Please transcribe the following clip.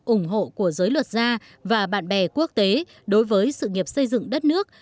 ủng hộ của giới luật gia và bạn bè quốc tế đối với sự nghiệp xây dựng đất nước